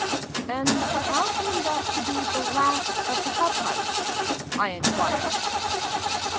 " And how came that to be the last of the Cub Hunts?" I enquired.